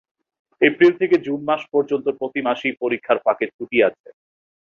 April থেকে June মাস পর্যন্ত প্রতি মাসেই পরীক্ষার ফাঁকে ছুটি আছে।